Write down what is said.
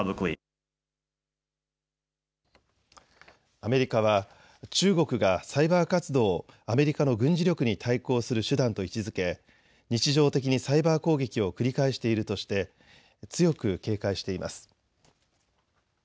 アメリカは中国がサイバー活動をアメリカの軍事力に対抗する手段と位置づけ日常的にサイバー攻撃を繰り返しているとして強く警戒しています。